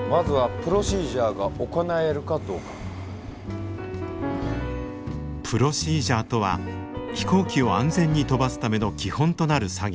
プロシージャーとは飛行機を安全に飛ばすための基本となる作業。